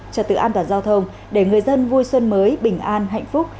trật tự an toàn giao thông để người dân vui xuân mới bình an hạnh phúc